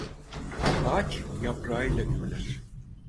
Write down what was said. Ağaç yaprağıyla gürler.